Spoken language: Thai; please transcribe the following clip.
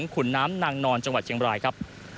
ครับ